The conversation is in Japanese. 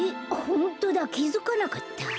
ホントだきづかなかった。